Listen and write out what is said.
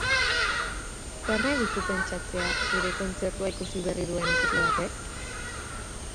Zer nahi duzu pentsatzea zure kontzertua ikusi berri duen ikusle batek?